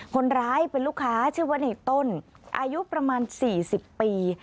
คนร้ายเป็นลูกค้าชื่อว่าในต้นอายุประมาณ๔๐ปี